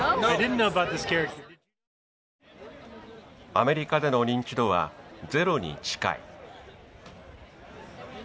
アメリカでの認知度はゼロに近い。